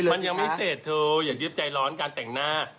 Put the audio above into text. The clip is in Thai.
มันยังไม่เสร็จเธออย่ายึดใจร้อนการแต่งหน้า